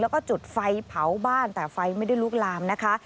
แล้วก็จุดไฟเผาบ้านแต่ไฟไม่ได้ลุกลามนะคะ